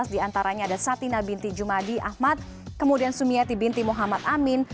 diantaranya ada satina binti jumadi ahmad kemudian sumiyati binti muhammad amin